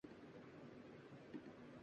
شروع کردیا